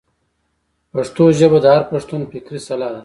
پښتو ژبه د هر پښتون فکري سلاح ده.